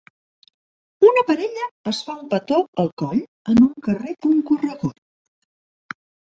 Una parella es fa un petó al coll en un carrer concorregut.